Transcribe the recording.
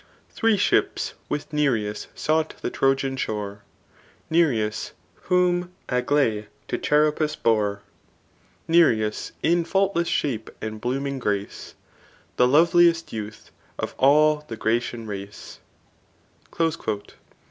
Three ships ^ith Nireus sought the Trojan shore, Nireus, whom Aglae to Charopus bore, Nireus, in faultless shape and blooming grace. The loveliest youth of all the Grecian race.